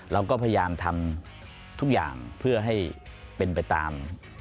เราก็พยายามทำทุกอย่างเพื่อให้เป็นไปตาม